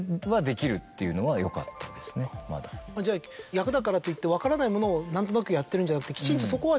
じゃあ役だからといって分からないものを何となくやってるんじゃなくて。